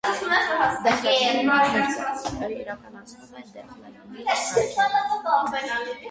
Դեֆլեգմումն իրականացնում են դեֆլեգմիչ սարքերում։